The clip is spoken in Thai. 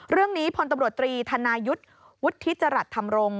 เรื่องนี้พลตำรวจตรีธานายุทธ์วุฒิจรัตน์ธรรมรงค์